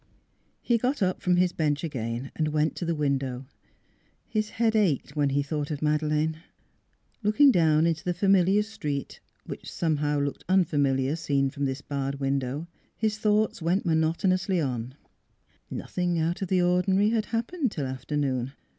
He got up from his bench again and went to the window; his head ached when he thought of Madeleine. ... Looking down into the familiar street, which somehow looked unfamiliar seen from this barred window, his thoughts went monotonously on: nothing out of the ordinary had happened till afternoon.